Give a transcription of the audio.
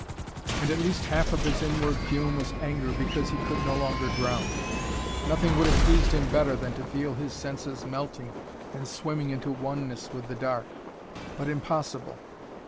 And at least half of his inward fume was anger because he could no longer drown. Nothing would have pleased him better than to feel his senses melting and swimming into oneness with the dark. But impossible!